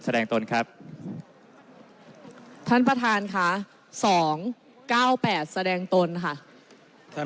ตนครับท่านประธานค่ะสองเก้าแปดแสดงตนค่ะครับ